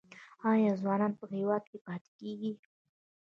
آیا ځوانان په هیواد کې پاتې کیږي؟